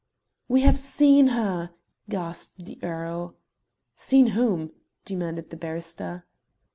"We have seen her!" gasped the earl. "Seen whom?" demanded the barrister.